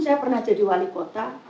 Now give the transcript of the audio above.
saya pernah jadi wali kota